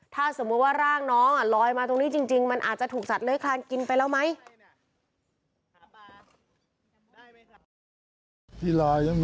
ถ้าสมมุติว่าร่างน้องลอยมาตรงนี้จริงมันอาจจะถูกสัตว์เลื้อยคลานกินไปแล้วไหม